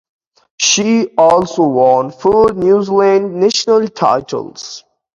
She also won four New Zealand national titles.